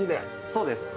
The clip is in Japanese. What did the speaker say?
そうです。